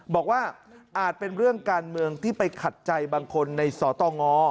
อาจเป็นเรื่องการเมืองที่ไปขัดใจบางคนในสตง